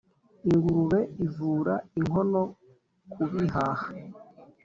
-Ingurube ivura inkono kubihaha